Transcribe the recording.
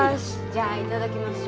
じゃあ「いただきます」